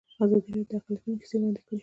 ازادي راډیو د اقلیتونه کیسې وړاندې کړي.